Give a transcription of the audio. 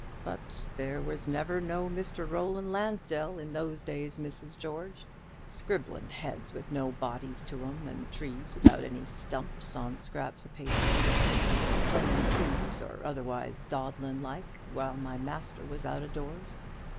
But there was never no Mr. Roland Lansdell in those days, Mrs. George, scribbling heads with no bodies to 'em, and trees without any stumps, on scraps of paper, or playing tunes, or otherwise dawdling like, while my master was out o' doors.